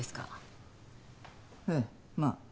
ええまあ。